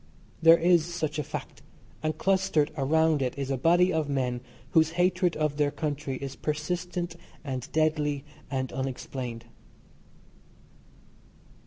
There is such a fact, and clustered around it is a body of men whose hatred of their country is persistent and deadly and unexplained.